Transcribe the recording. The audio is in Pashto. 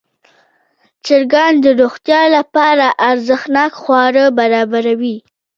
چرګان د روغتیا لپاره ارزښتناک خواړه برابروي.